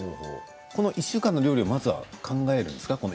１週間の料理をまず考えているんですか？